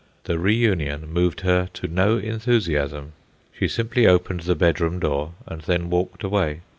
The reunion moved her to no enthusiasm; she simply opened the bedroom door, and then walked away.